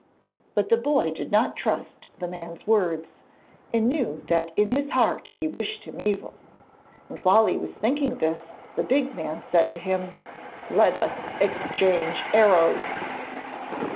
But the boy did not trust the man's words, and knew that in his heart he wished him evil. And while he was thinking this the big man said to him: 'Let us exchange arrows.'